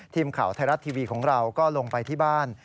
ทีมข่าวไทยรัฐทีวีของเราก็ลงไปที่บ้าน